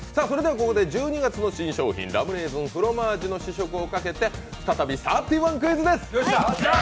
ここで１２月の新商品ラムレーズンフロマージュの試食をかけて、再びサーティワンクイズです。